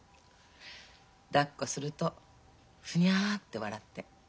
だっこするとふにゃって笑って。